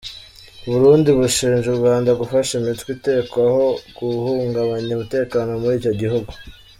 U Burundi bushinja u Rwanda gufasha imitwe ikekwaho guhungabanya umutekano muri icyo gihugu.